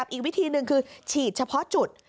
อีกวิธีหนึ่งคือฉีดเฉพาะจุด